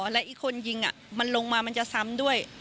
และอีกคนยิงมันลงมามันจะซ้ำด้วย